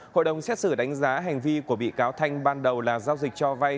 hội đồng xét xử đánh giá hành vi của bị cáo thanh ban đầu là giao dịch cho vay